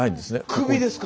首ですか？